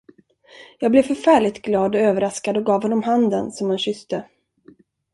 Jag blev förfärligt glad och överraskad och gav honom handen, som han kysste.